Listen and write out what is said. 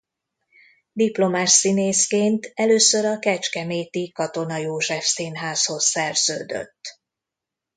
Diplomás színészként először a kecskeméti Katona József Színházhoz szerződött.